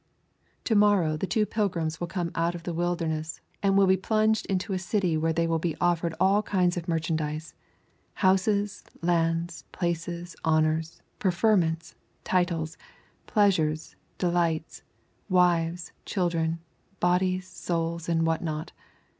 To morrow the two pilgrims will come out of the wilderness and will be plunged into a city where they will be offered all kinds of merchandise, houses, lands, places, honours, preferments, titles, pleasures, delights, wives, children, bodies, souls, and what not.